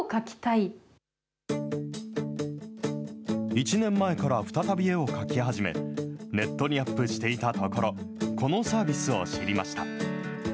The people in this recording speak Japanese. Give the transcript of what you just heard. １年前から再び絵を描き始め、ネットにアップしていたところ、このサービスを知りました。